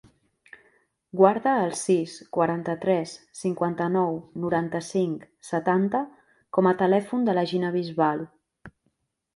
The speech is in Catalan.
Guarda el sis, quaranta-tres, cinquanta-nou, noranta-cinc, setanta com a telèfon de la Gina Bisbal.